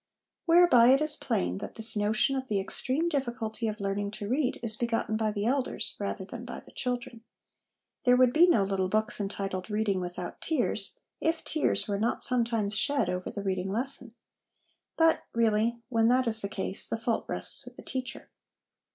Whereby it is plain, that this notion of the extreme difficulty of learning to read is begotten by the elders rather than by the children. There would be no little books entitled Reading without Tears, if tears were not sometimes shed over the reading 1 Southey's Life of Wesley. LESSONS AS INSTRUMENTS OF EDUCATION 2OI lesson ; but, really, when that is the case, the fault rests with the teacher.